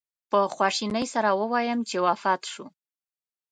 په خواشینۍ سره ووایم چې وفات شو.